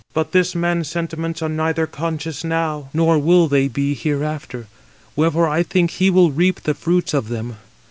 But this man's sentiments are neither constant now, nor will they be hereafter; wherefore I think he will reap the fruits [of them].